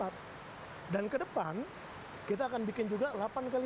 atau bagiannya imbent lebih besar jeli kistnah pada anggaran